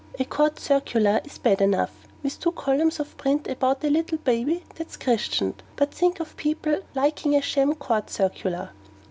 A COURT CIRCULAR is bad enough, with two columns of print about a little baby that's christened but think of people liking a sham COURT CIRCULAR!